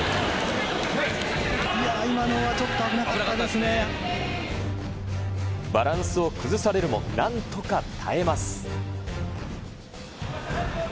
今のはちょっと危なかったでバランスを崩されるも、なんとか耐えます。